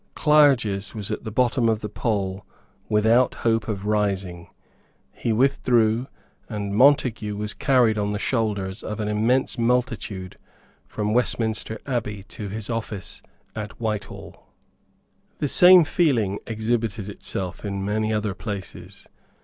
Clarges was at the bottom of the poll without hope of rising. He withdrew; and Montague was carried on the shoulders of an immense multitude from Westminster Abbey to his office at Whitehall. The same feeling exhibited itself in many other places.